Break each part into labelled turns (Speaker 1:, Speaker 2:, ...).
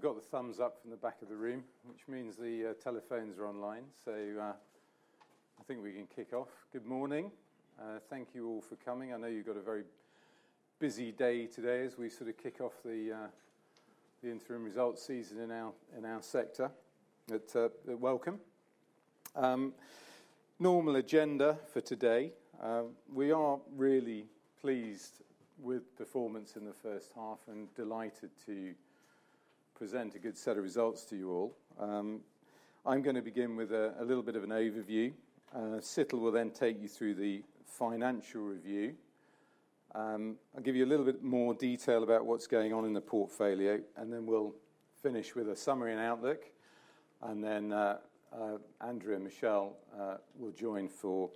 Speaker 1: We've got the thumbs up from the back of the room, which means the telephones are online. I think we can kick off. Good morning. Thank you all for coming. I know you've got a very busy day today as we sort of kick off the interim results season in our sector. Welcome. Normal agenda for today. We are really pleased with the performance in the first half and delighted to present a good set of results to you all. I'm going to begin with a little bit of an overview. Situl will then take you through the financial review. I'll give you a little bit more detail about what's going on in the portfolio, and then we'll finish with a summary and outlook. Andrea and Michelle will join for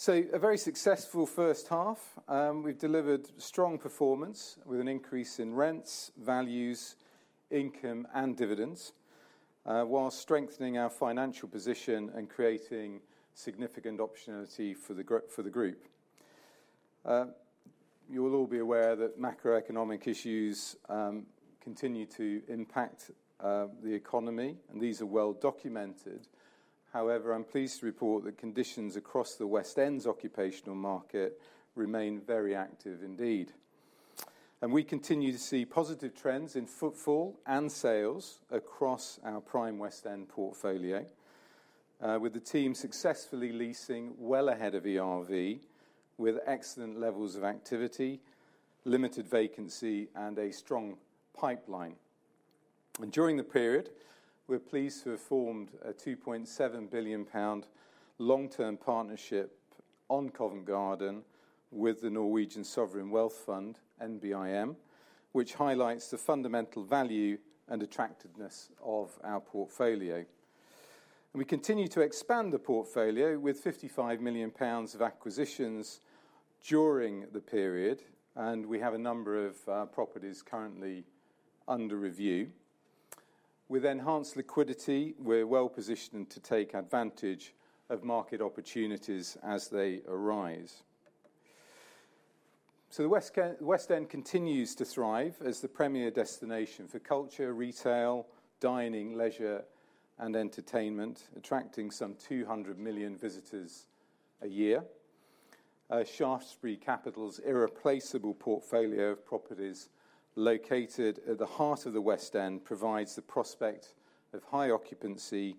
Speaker 1: Q&A. A very successful first half. We've delivered strong performance with an increase in rents, values, income, and dividends, while strengthening our financial position and creating significant opportunity for the group. You will all be aware that macroeconomic issues continue to impact the economy, and these are well documented. However, I'm pleased to report that conditions across the West End's occupational market remain very active indeed. We continue to see positive trends in footfall and sales across our Prime West End portfolio, with the team successfully leasing well ahead of ERV, with excellent levels of activity, limited vacancy, and a strong pipeline. During the period, we're pleased to have formed a £2.7 billion long-term partnership on Covent Garden with the Norwegian Sovereign Wealth Fund, NBIM, which highlights the fundamental value and attractiveness of our portfolio. We continue to expand the portfolio with £55 million of acquisitions during the period, and we have a number of properties currently under review. With enhanced liquidity, we're well positioned to take advantage of market opportunities as they arise. The West End continues to thrive as the premier destination for culture, retail, dining, leisure, and entertainment, attracting some 200 million visitors a year. Shaftesbury Capital's irreplaceable portfolio of properties located at the heart of the West End provides the prospect of high occupancy,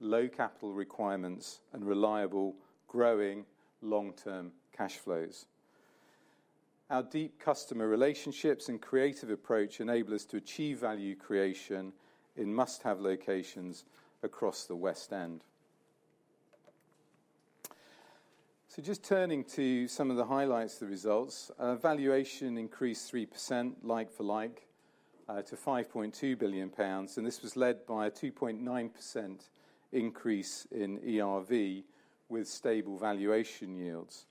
Speaker 1: low capital requirements, and reliable, growing long-term cash flows. Our deep customer relationships and creative approach enable us to achieve value creation in must-have locations across the West End. Just turning to some of the highlights of the results, valuation increased 3% like-for-like to £5.2 billion, and this was led by a 2.9% increase in ERV with stable valuation yields.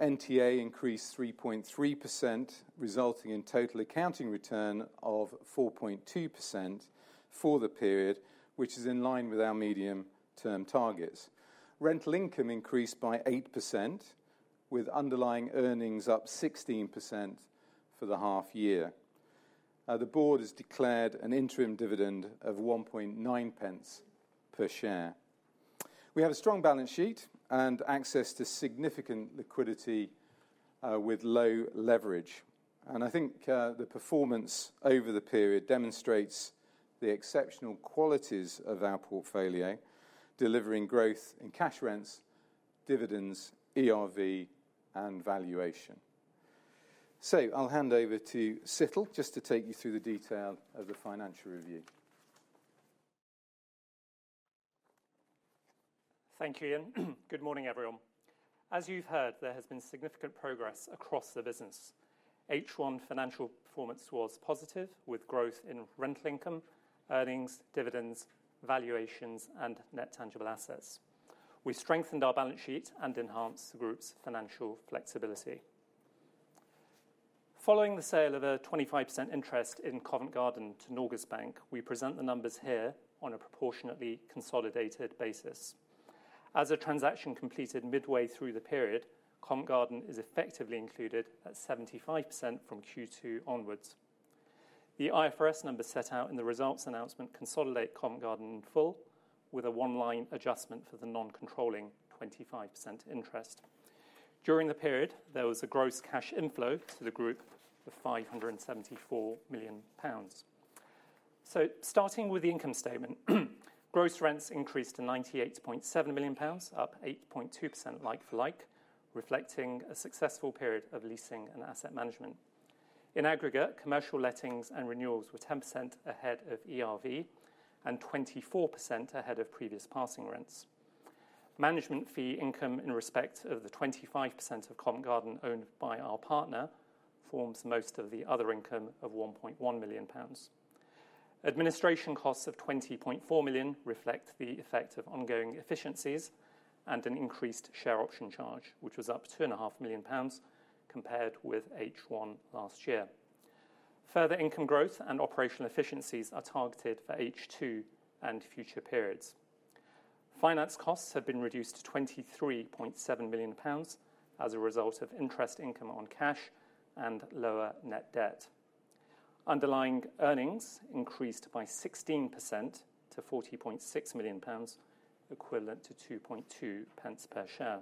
Speaker 1: NTA increased 3.3%, resulting in total accounting return of 4.2% for the period, which is in line with our medium-term targets. Rental income increased by 8%, with underlying earnings up 16% for the half year. The board has declared an interim dividend of £1.9 per share. We have a strong balance sheet and access to significant liquidity with low leverage. I think the performance over the period demonstrates the exceptional qualities of our portfolio, delivering growth in cash rents, dividends, ERV, and valuation. I'll hand over to Situl just to take you through the detail of the financial review.
Speaker 2: Thank you, Ian. Good morning, everyone. As you've heard, there has been significant progress across the business. H1 financial performance was positive, with growth in rental income, earnings, dividends, valuations, and net tangible assets. We strengthened our balance sheet and enhanced the group's financial flexibility. Following the sale of a 25% interest in Covent Garden to Norges Bank Investment Management, we present the numbers here on a proportionately consolidated basis. As a transaction completed midway through the period, Covent Garden is effectively included at 75% from Q2 onwards. The IFRS numbers set out in the results announcement consolidate Covent Garden in full, with a one-line adjustment for the non-controlling 25% interest. During the period, there was a gross cash inflow to the group of £574 million. Starting with the income statement, gross rents increased to £98.7 million, up 8.2% like for like, reflecting a successful period of leasing and asset management. In aggregate, commercial lettings and renewals were 10% ahead of ERV and 24% ahead of previous passing rents. Management fee income in respect of the 25% of Covent Garden owned by our partner forms most of the other income of £1.1 million. Administration costs of £20.4 million reflect the effect of ongoing efficiencies and an increased share option charge, which was up £2.5 million compared with H1 last year. Further income growth and operational efficiencies are targeted for H2 and future periods. Finance costs have been reduced to £23.7 million as a result of interest income on cash and lower net debt. Underlying earnings increased by 16% to £40.6 million, equivalent to £2.2 per share.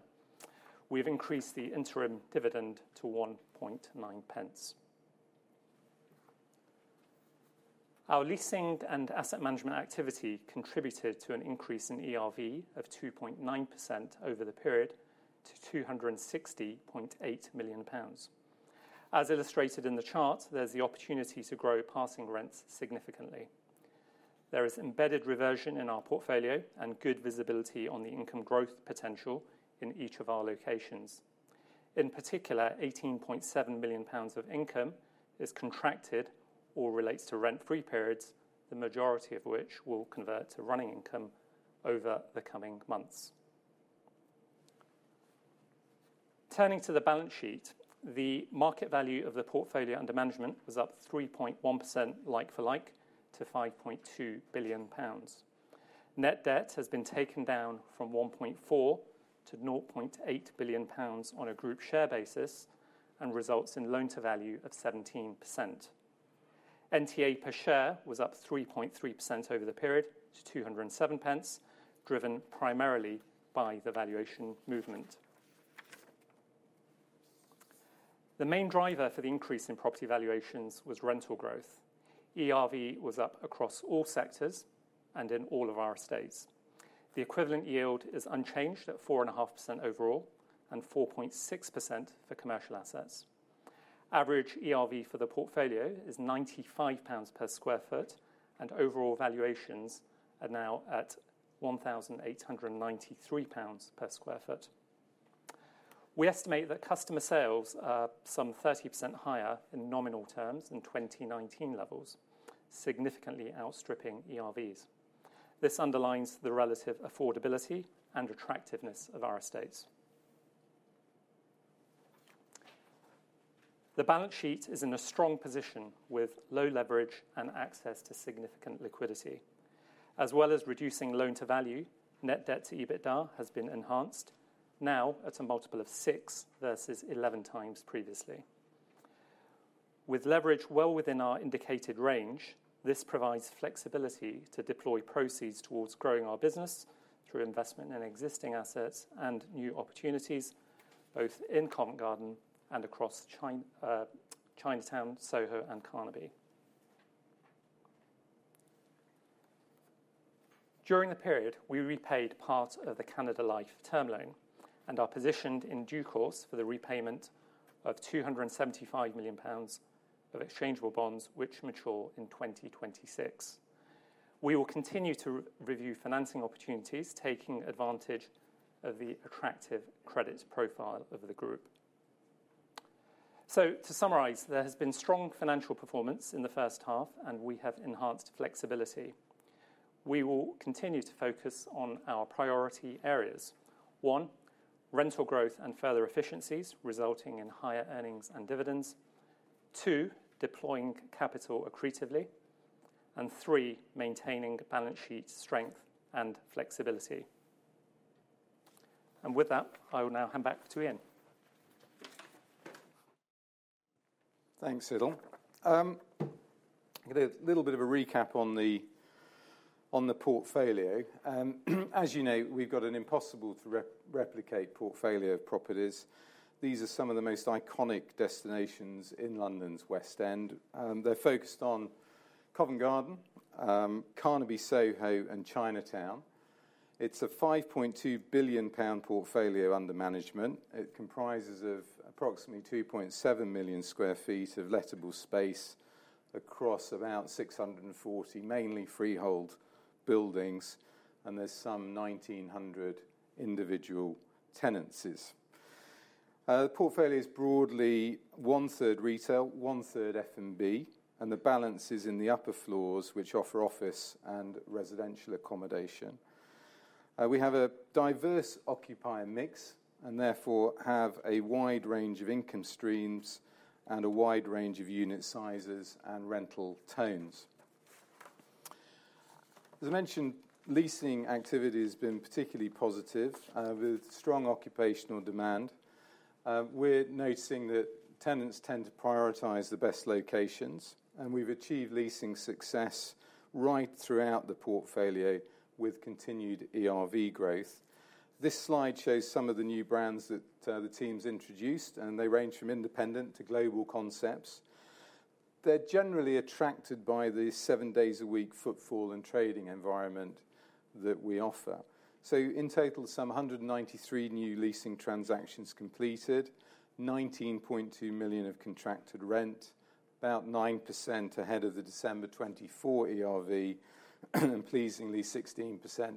Speaker 2: We have increased the interim dividend to £1.9. Our leasing and asset management activity contributed to an increase in ERV of 2.9% over the period to £260.8 million. As illustrated in the chart, there's the opportunity to grow passing rents significantly. There is embedded reversion in our portfolio and good visibility on the income growth potential in each of our locations. In particular, £18.7 million of income is contracted or relates to rent-free periods, the majority of which will convert to running income over the coming months. Turning to the balance sheet, the market value of the portfolio under management was up 3.1% like for like to £5.2 billion. Net debt has been taken down from £1.4 billion-£0.8 billion on a group share basis and results in loan-to-value of 17%. NTA per share was up 3.3% over the period to £2.07, driven primarily by the valuation movement. The main driver for the increase in property valuations was rental growth. ERV was up across all sectors and in all of our estates. The equivalent yield is unchanged at 4.5% overall and 4.6% for commercial assets. Average ERV for the portfolio is £95 per square foot, and overall valuations are now at £1,893 per square foot. We estimate that customer sales are some 30% higher in nominal terms than 2019 levels, significantly outstripping ERVs. This underlines the relative affordability and attractiveness of our estates. The balance sheet is in a strong position with low leverage and access to significant liquidity. As well as reducing loan-to-value, net debt to EBITDA has been enhanced, now at a multiple of 6 versus 11 times previously. With leverage well within our indicated range, this provides flexibility to deploy proceeds towards growing our business through investment in existing assets and new opportunities, both in Covent Garden and across Chinatown, Soho, and Carnaby. During the period, we repaid part of the Canada Life term loan and are positioned in due course for the repayment of £275 million of exchangeable bonds, which mature in 2026. We will continue to review financing opportunities, taking advantage of the attractive credit profile of the group. To summarize, there has been strong financial performance in the first half, and we have enhanced flexibility. We will continue to focus on our priority areas: one, rental growth and further efficiencies, resulting in higher earnings and dividends; two, deploying capital accretively; and three, maintaining balance sheet strength and flexibility. I will now hand back to Ian.
Speaker 1: Thanks, Situl. A little bit of a recap on the portfolio. As you know, we've got an impossible-to-replicate portfolio of properties. These are some of the most iconic destinations in London's West End. They're focused on Covent Garden, Carnaby, Soho, and Chinatown. It's a £5.2 billion portfolio under management. It comprises approximately 2.7 million square feet of lettable space across about 640, mainly freehold buildings, and there's some 1,900 individual tenancies. The portfolio is broadly one-third retail, one-third F&B, and the balance is in the upper floors, which offer office and residential accommodation. We have a diverse occupier mix and therefore have a wide range of income streams and a wide range of unit sizes and rental tones. As I mentioned, leasing activity has been particularly positive, with strong occupational demand. We're noticing that tenants tend to prioritize the best locations, and we've achieved leasing success right throughout the portfolio with continued ERV growth. This slide shows some of the new brands that the team's introduced, and they range from independent to global concepts. They're generally attracted by the seven days a week footfall and trading environment that we offer. In total, some 193 new leasing transactions completed, £19.2 million of contracted rent, about 9% ahead of the December 2024 ERV, and pleasingly 16%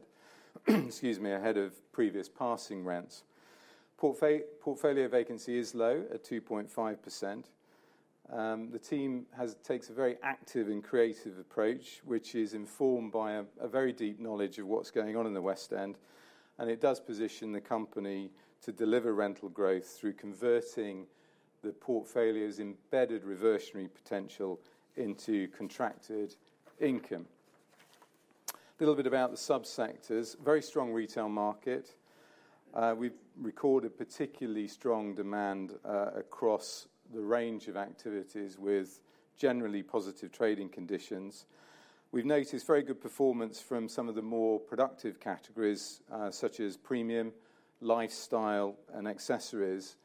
Speaker 1: ahead of previous passing rents. Portfolio vacancy is low at 2.5%. The team takes a very active and creative approach, which is informed by a very deep knowledge of what's going on in the West End, and it does position the company to deliver rental growth through converting the portfolio's embedded reversionary potential into contracted income. A little bit about the subsectors. Very strong retail market. We've recorded particularly strong demand across the range of activities with generally positive trading conditions. We've noticed very good performance from some of the more productive categories, such as premium, lifestyle, and accessories.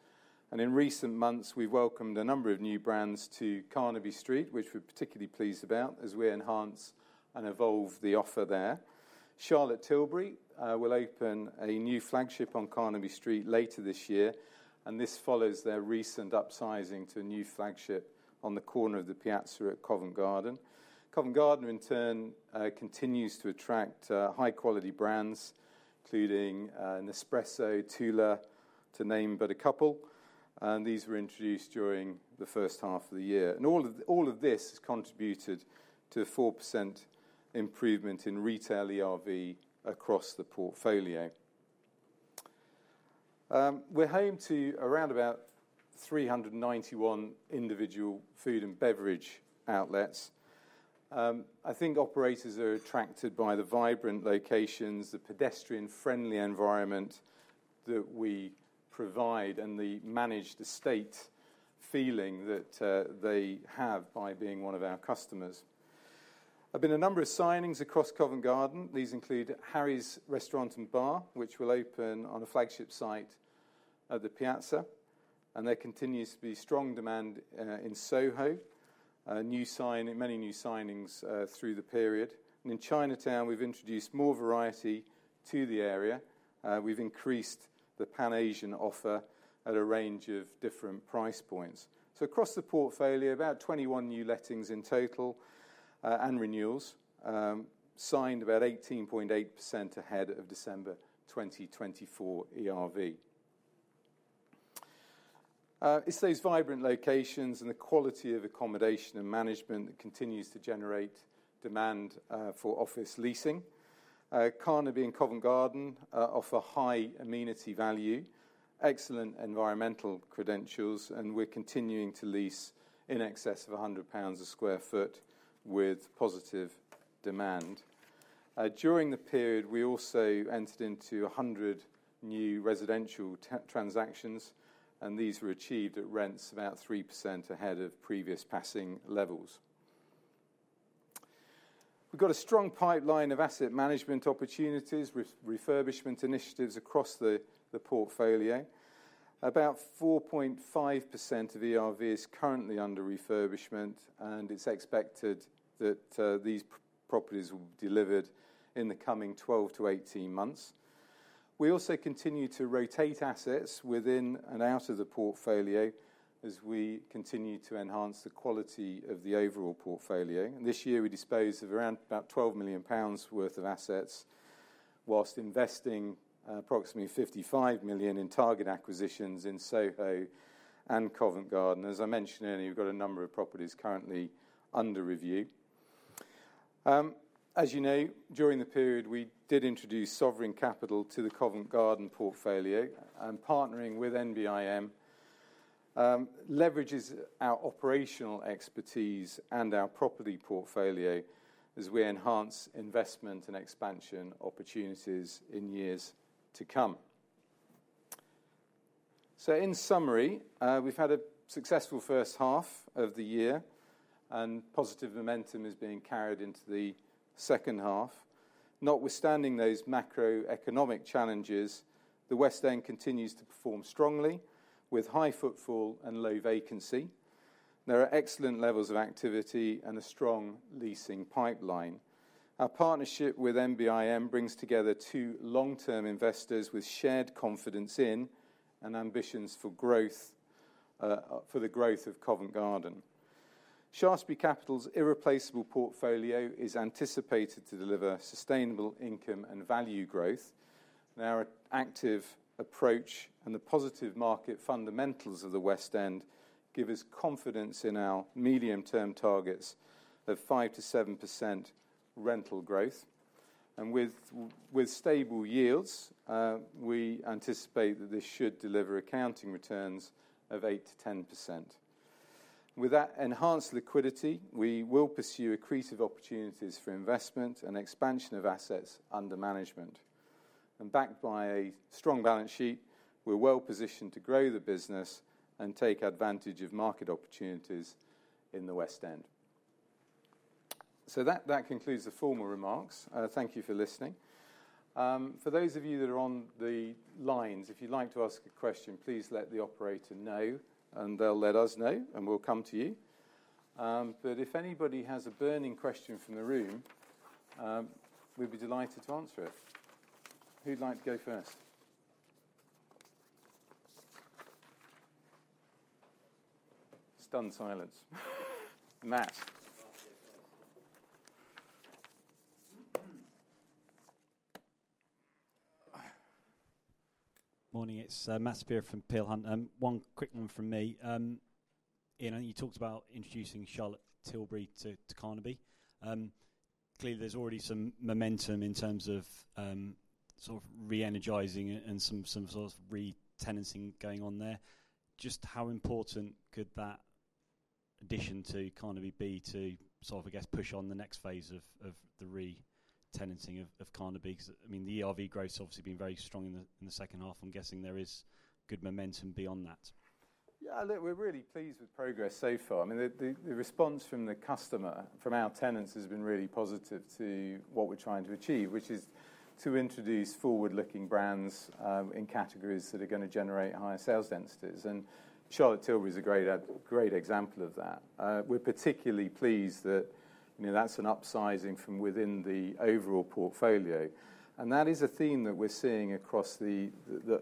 Speaker 1: In recent months, we've welcomed a number of new brands to Carnaby Street, which we're particularly pleased about as we enhance and evolve the offer there. Charlotte Tilbury will open a new flagship on Carnaby Street later this year, and this follows their recent upsizing to a new flagship on the corner of the Piazza at Covent Garden. Covent Garden, in turn, continues to attract high-quality brands, including Nespresso and Tula, to name but a couple. These were introduced during the first half of the year. All of this has contributed to a 4% improvement in retail ERV across the portfolio. We're home to around 391 individual food and beverage outlets. I think operators are attracted by the vibrant locations, the pedestrian-friendly environment that we provide, and the managed estate feeling that they have by being one of our customers. There have been a number of signings across Covent Garden. These include Harry's Restaurant and Bar, which will open on a flagship site at the Piazza. There continues to be strong demand in Soho, with many new signings through the period. In Chinatown, we've introduced more variety to the area. We've increased the Pan-Asian offer at a range of different price points. Across the portfolio, about 21 new lettings in total and renewals signed about 18.8% ahead of December 2024 ERV. It's those vibrant locations and the quality of accommodation and management that continues to generate demand for office leasing. Carnaby and Covent Garden offer high amenity value, excellent environmental credentials, and we're continuing to lease in excess of £100 a square foot with positive demand. During the period, we also entered into 100 new residential transactions, and these were achieved at rents about 3% ahead of previous passing levels. We've got a strong pipeline of asset management opportunities and refurbishment initiatives across the portfolio. About 4.5% of ERV is currently under refurbishment, and it's expected that these properties will be delivered in the coming 12 to 18 months. We also continue to rotate assets within and out of the portfolio as we continue to enhance the quality of the overall portfolio. This year, we disposed of around £12 million worth of assets, while investing approximately £55 million in target acquisitions in Soho and Covent Garden. As I mentioned earlier, we've got a number of properties currently under review. As you know, during the period, we did introduce sovereign capital to the Covent Garden portfolio, and partnering with NBIM leverages our operational expertise and our property portfolio as we enhance investment and expansion opportunities in years to come. In summary, we've had a successful first half of the year, and positive momentum is being carried into the second half. Notwithstanding those macroeconomic challenges, the West End continues to perform strongly with high footfall and low vacancy. There are excellent levels of activity and a strong leasing pipeline. Our partnership with NBIM brings together two long-term investors with shared confidence in and ambitions for the growth of Covent Garden. Shaftesbury Capital's irreplaceable portfolio is anticipated to deliver sustainable income and value growth. Our active approach and the positive market fundamentals of the West End give us confidence in our medium-term targets of 5%-7% rental growth. With stable yields, we anticipate that this should deliver accounting returns of 8%-10%. With that enhanced liquidity, we will pursue accretive opportunities for investment and expansion of assets under management. Backed by a strong balance sheet, we're well positioned to grow the business and take advantage of market opportunities in the West End. That concludes the formal remarks. Thank you for listening. For those of you that are on the lines, if you'd like to ask a question, please let the operator know, and they'll let us know, and we'll come to you. If anybody has a burning question from the room, we'd be delighted to answer it. Who'd like to go first? Stunned silence. Matt?
Speaker 3: Morning. It's Matthew Saperia from Peel Hunt LLP. One quick one from me. Ian, I know you talked about introducing Charlotte Tilbury to Carnaby. Clearly, there's already some momentum in terms of re-energizing and some re-tenancing going on there. Just how important could that addition to Carnaby be to, I guess, push on the next phase of the re-tenancing of Carnaby? Because, I mean, the ERV growth's obviously been very strong in the second half. I'm guessing there is good momentum beyond that.
Speaker 1: Yeah, look, we're really pleased with progress so far. I mean, the response from the customer, from our tenants, has been really positive to what we're trying to achieve, which is to introduce forward-looking brands in categories that are going to generate higher sales densities. Charlotte Tilbury is a great example of that. We're particularly pleased that that's an upsizing from within the overall portfolio. That is a theme that we're seeing across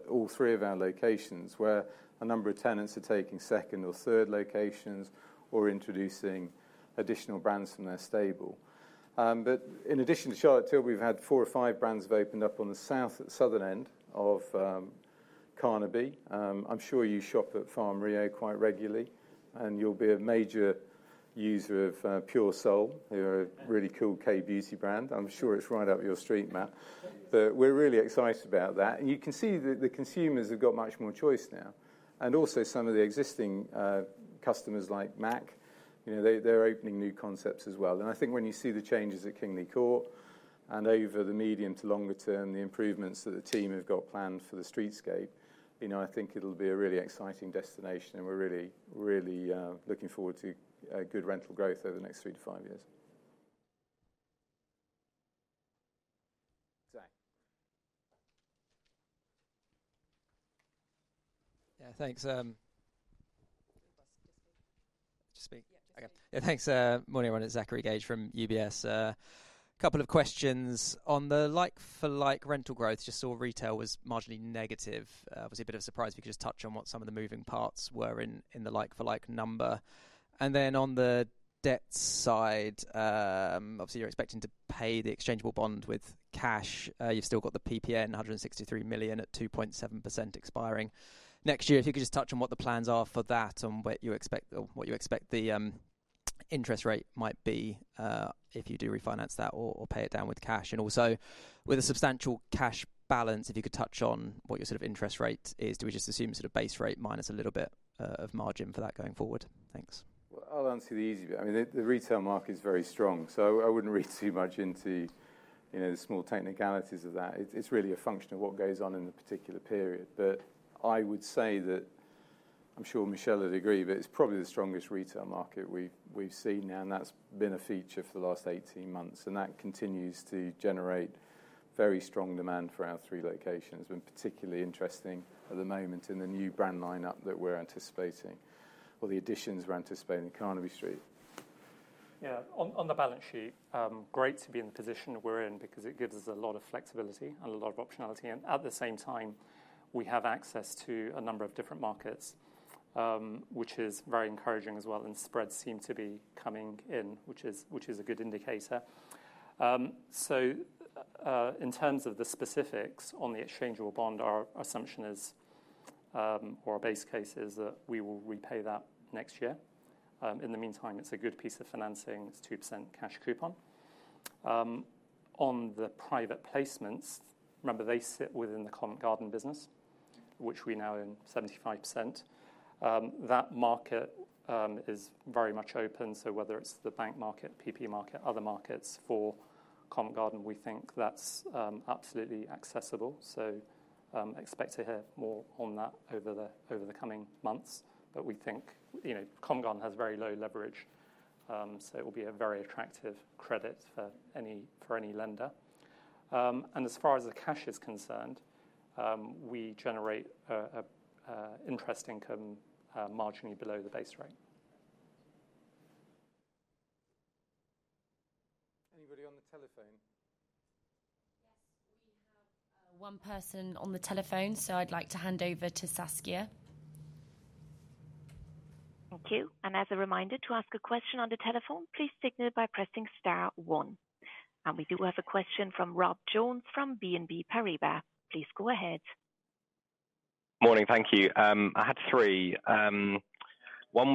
Speaker 1: all three of our locations, where a number of tenants are taking second or third locations or introducing additional brands from their stable. In addition to Charlotte Tilbury, we've had four or five brands that have opened up on the southern end of Carnaby. I'm sure you shop at Farm Rio quite regularly, and you'll be a major user of Pure Soul, who are a really cool K-beauty brand. I'm sure it's right up your street, Matt. We're really excited about that. You can see that the consumers have got much more choice now. Also, some of the existing customers like MAC, they're opening new concepts as well. I think when you see the changes at Kingly Court and over the medium to longer term, the improvements that the team have got planned for the streetscape, I think it'll be a really exciting destination. We're really, really looking forward to good rental growth over the next three to five years. Zach?
Speaker 4: Yeah, thanks.
Speaker 1: Just speak.
Speaker 4: Yeah, thanks. Morning, everyone. It's Zachary Gauge from UBS. A couple of questions. On the like-for-like rental growth, you saw retail was marginally negative. Obviously, a bit of a surprise. If we could just touch on what some of the moving parts were in the like-for-like number. On the debt side, obviously, you're expecting to pay the exchangeable bond with cash. You've still got the PPN, £163 million, at 2.7% expiring next year. If you could just touch on what the plans are for that and what you expect the interest rate might be if you do refinance that or pay it down with cash. Also, with a substantial cash balance, if you could touch on what your sort of interest rate is, do we just assume sort of base rate minus a little bit of margin for that going forward? Thanks.
Speaker 1: I'll answer the easy bit. I mean, the retail market's very strong. I wouldn't read too much into the small technicalities of that. It's really a function of what goes on in the particular period. I would say that I'm sure Michelle would agree, it's probably the strongest retail market we've seen now. That's been a feature for the last 18 months. That continues to generate very strong demand for our three locations. We're particularly interesting at the moment in the new brand lineup that we're anticipating or the additions we're anticipating in Carnaby Street.
Speaker 2: Yeah, on the balance sheet, great to be in the position we're in because it gives us a lot of flexibility and a lot of optionality. At the same time, we have access to a number of different markets, which is very encouraging as well. Spreads seem to be coming in, which is a good indicator. In terms of the specifics on the exchangeable bond, our assumption is, or our base case is, that we will repay that next year. In the meantime, it's a good piece of financing. It's a 2% cash coupon. On the private placements, remember they sit within the Covent Garden business, which we now own 75%. That market is very much open. Whether it's the bank market, PP market, or other markets for Covent Garden, we think that's absolutely accessible. Expect to hear more on that over the coming months. We think Covent Garden has very low leverage, so it will be a very attractive credit for any lender. As far as the cash is concerned, we generate interest income marginally below the base rate.
Speaker 1: Anybody on the telephone?
Speaker 5: Yes, we have one person on the telephone. I'd like to hand over to Saskia.
Speaker 6: Thank you. As a reminder, to ask a question on the telephone, please signal by pressing star one. We do have a question from Rob Jones from Exane BNP Paribas. Please go ahead.
Speaker 7: Morning. Thank you. I had three. One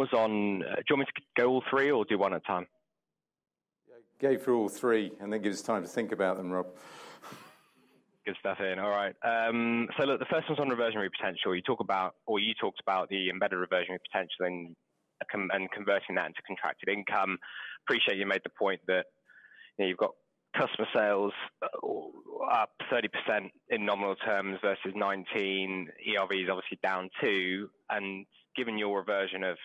Speaker 7: was on, do you want me to go all three or do one at a time?
Speaker 1: Yeah, go through all three and then give us time to think about them, Rob.
Speaker 7: All right. The first one's on reversionary potential. You talk about, or you talked about the embedded reversionary potential and converting that into contracted income. Appreciate you made the point that you've got customer sales up 30% in nominal terms versus 19%. ERV is obviously down too. Given your reversion of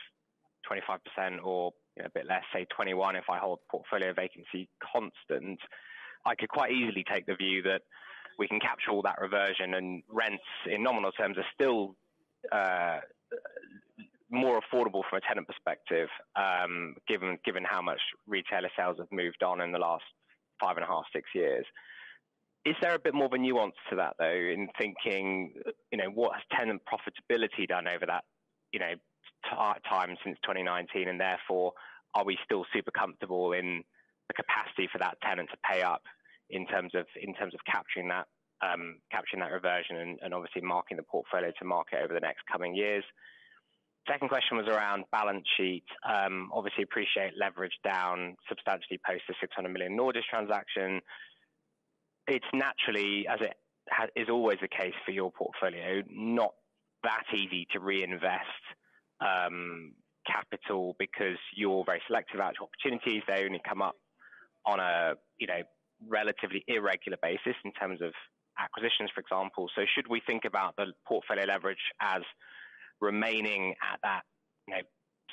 Speaker 7: 25% or a bit less, say 21%, if I hold portfolio vacancy constant, I could quite easily take the view that we can capture all that reversion and rents in nominal terms are still more affordable from a tenant perspective, given how much retailer sales have moved on in the last five and a half, six years. Is there a bit more of a nuance to that, though, in thinking, you know, what has tenant profitability done over that time since 2019? Therefore, are we still super comfortable in the capacity for that tenant to pay up in terms of capturing that reversion and obviously marking the portfolio to market over the next coming years? Second question was around balance sheet. Obviously, appreciate leverage down substantially post the £600 million NBIM transaction. It's naturally, as it is always the case for your portfolio, not that easy to reinvest capital because you're very selective about opportunities. They only come up on a relatively irregular basis in terms of acquisitions, for example. Should we think about the portfolio leverage as remaining at that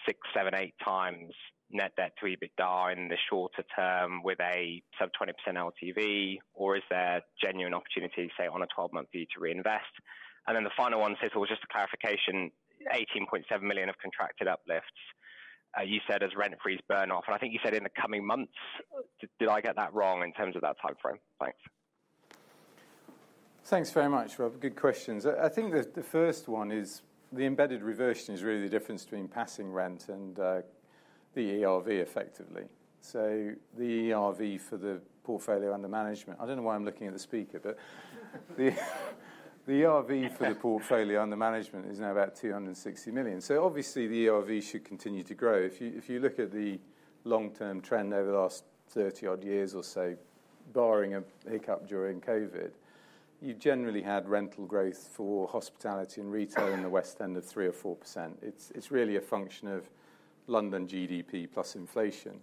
Speaker 7: six, seven, eight times net debt to EBITDA in the shorter term with a sub-20% loan-to-value, or is there genuine opportunity, say, on a 12-month view to reinvest? The final one, Situl, just a clarification, £18.7 million of contracted uplifts. You said as rent freeze burn off. I think you said in the coming months. Did I get that wrong in terms of that timeframe? Thanks.
Speaker 1: Thanks very much, Rob. Good questions. I think the first one is the embedded reversion is really the difference between passing rent and the ERV effectively. The ERV for the portfolio under management, I don't know why I'm looking at the speaker, but the ERV for the portfolio under management is now about £260 million. Obviously, the ERV should continue to grow. If you look at the long-term trend over the last 30-odd years or so, barring a hiccup during COVID, you've generally had rental growth for hospitality and retail in the West End of 3% or 4%. It's really a function of London GDP plus inflation.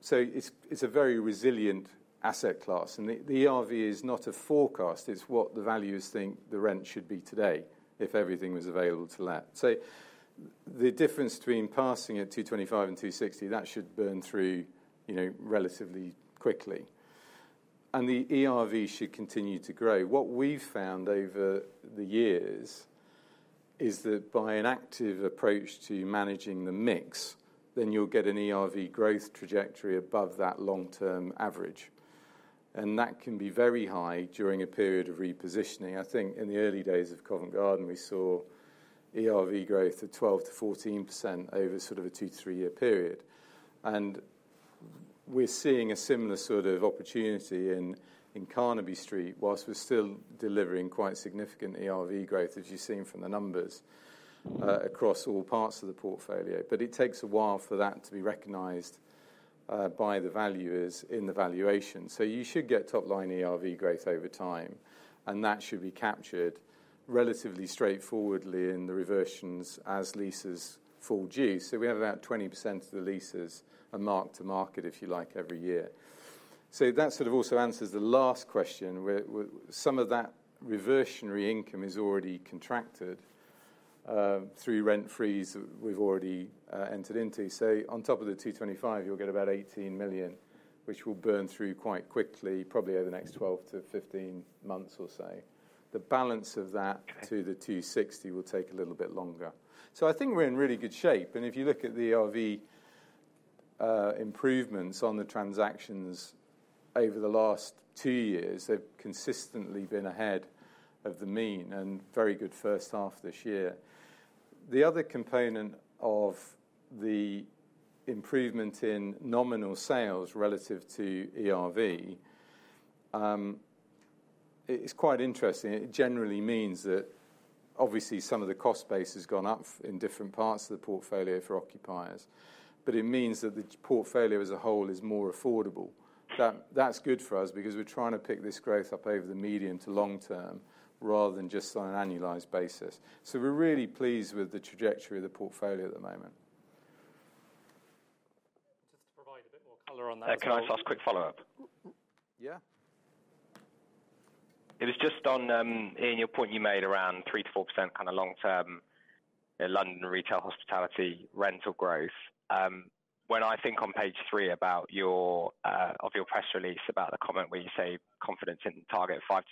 Speaker 1: It's a very resilient asset class. The ERV is not a forecast. It's what the valuers think the rent should be today if everything was available to let. The difference between passing at £225 million and £260 million, that should burn through relatively quickly. The ERV should continue to grow. What we've found over the years is that by an active approach to managing the mix, then you'll get an ERV growth trajectory above that long-term average. That can be very high during a period of repositioning. I think in the early days of Covent Garden, we saw ERV growth of 12%-14% over sort of a two to three-year period. We're seeing a similar sort of opportunity in Carnaby whilst we're still delivering quite significant ERV growth, as you've seen from the numbers across all parts of the portfolio. It takes a while for that to be recognized by the valuers in the valuation. You should get top-line ERV growth over time. That should be captured relatively straightforwardly in the reversions as leases fall due. We have about 20% of the leases are marked to market, if you like, every year. That sort of also answers the last question. Some of that reversionary income is already contracted through rent freeze that we've already entered into. On top of the £225 million, you'll get about £18 million, which will burn through quite quickly, probably over the next 12 to 15 months or so. The balance of that to the £260 million will take a little bit longer. I think we're in really good shape. If you look at the ERV improvements on the transactions over the last two years, they've consistently been ahead of the mean and very good first half this year. The other component of the improvement in nominal sales relative to ERV is quite interesting. It generally means that obviously some of the cost base has gone up in different parts of the portfolio for occupiers. It means that the portfolio as a whole is more affordable. That's good for us because we're trying to pick this growth up over the medium to long term rather than just on an annualized basis. We're really pleased with the trajectory of the portfolio at the moment.
Speaker 7: Just to provide a bit more color on that. Can I just ask a quick follow-up?
Speaker 1: Yeah.
Speaker 7: It was just on, Ian, your point you made around 3% -4% kind of long-term London retail hospitality rental growth. When I think on page three of your press release about the comment where you say confidence in target 5%-7%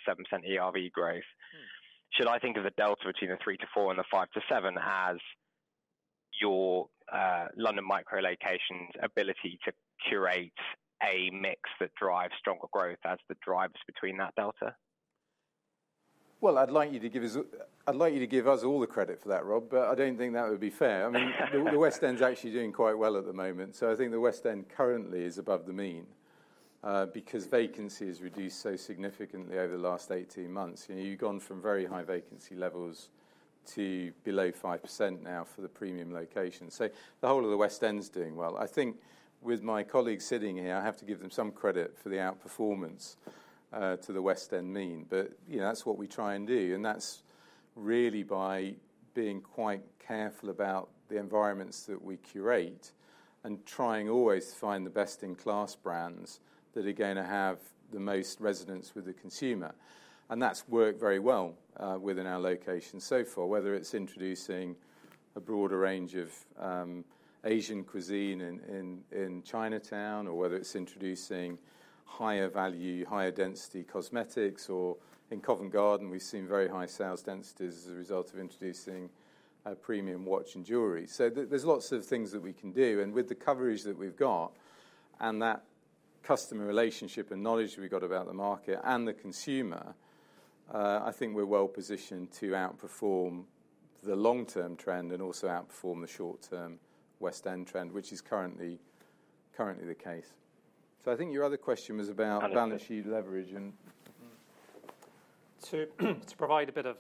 Speaker 7: ERV growth, should I think of the delta between the 3%-4% and the 5%-7% as your London micro locations' ability to curate a mix that drives stronger growth as the drives between that delta?
Speaker 1: I'd like you to give us all the credit for that, Rob, but I don't think that would be fair. I mean, the West End's actually doing quite well at the moment. I think the West End currently is above the mean because vacancy has reduced so significantly over the last 18 months. You've gone from very high vacancy levels to below 5% now for the premium locations. The whole of the West End's doing well. I think with my colleagues sitting here, I have to give them some credit for the outperformance to the West End mean. That's what we try and do. That's really by being quite careful about the environments that we curate and trying always to find the best-in-class brands that are going to have the most resonance with the consumer. That's worked very well within our location so far, whether it's introducing a broader range of Asian cuisine in Chinatown or whether it's introducing higher value, higher density cosmetics. In Covent Garden, we've seen very high sales densities as a result of introducing premium watch and jewelry. There are lots of things that we can do. With the coverage that we've got and that customer relationship and knowledge that we've got about the market and the consumer, I think we're well positioned to outperform the long-term trend and also outperform the short-term West End trend, which is currently the case. I think your other question was about balance sheet leverage.
Speaker 2: To provide a bit of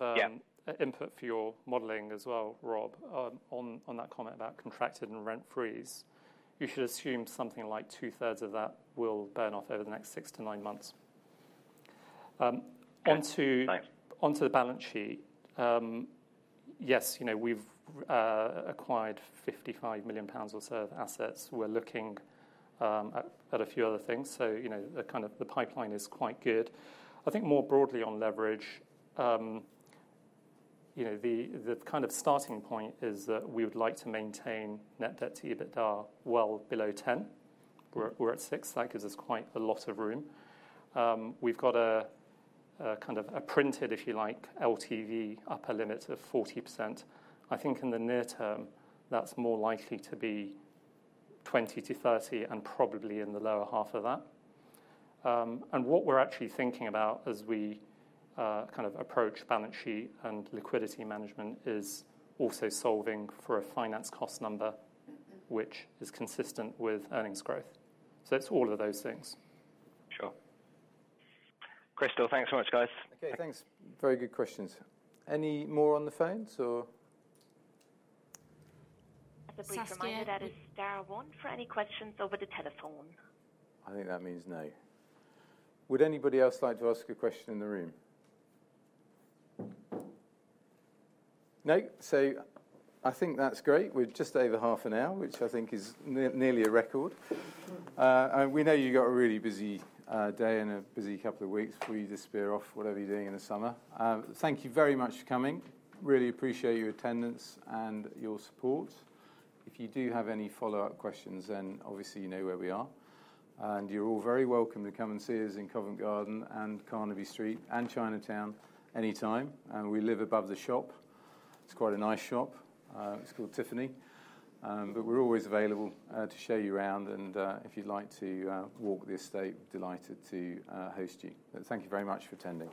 Speaker 2: input for your modeling as well, Rob, on that comment about contracted and rent freeze, you should assume something like two-thirds of that will burn off over the next six to nine months. Onto the balance sheet, yes, we've acquired £55 million or so of assets. We're looking at a few other things. The kind of pipeline is quite good. I think more broadly on leverage, the kind of starting point is that we would like to maintain net debt to EBITDA well below 10. We're at 6. That gives us quite a lot of room. We've got a kind of printed, if you like, LTV upper limit of 40%. I think in the near term, that's more likely to be 20%-30% and probably in the lower half of that. What we're actually thinking about as we kind of approach balance sheet and liquidity management is also solving for a finance cost number, which is consistent with earnings growth. It's all of those things.
Speaker 7: Sure. crystal, thanks so much, guys.
Speaker 1: Okay, thanks. Very good questions. Any more on the phones?
Speaker 6: At the breaking hour, that is star one for any questions over the telephone.
Speaker 1: I think that means no. Would anybody else like to ask a question in the room? No, I think that's great. We're just over half an hour, which I think is nearly a record. We know you've got a really busy day and a busy couple of weeks before you disappear off whatever you're doing in the summer. Thank you very much for coming. Really appreciate your attendance and your support. If you do have any follow-up questions, then obviously you know where we are. You're all very welcome to come and see us in Covent Garden and Carnaby and Chinatown anytime. We live above the shop. It's quite a nice shop. It's called Tiffany. We're always available to show you around. If you'd like to walk the estate, we're delighted to host you. Thank you very much for attending.